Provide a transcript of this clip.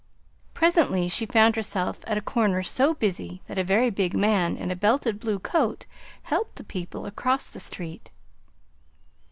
Presently she found herself at a corner so busy that a very big man in a belted blue coat helped the people across the street.